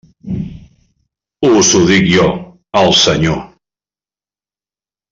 Us ho dic jo, el Senyor.